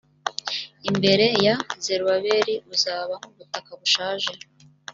imbere ya zerubabeli uzaba nk ubutaka bushaje .